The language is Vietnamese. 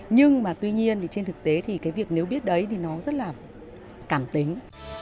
nhưng mà tuy nhiên thì trên thực tế thì cái việc nếu biết đấy thì nó rất là cảm tính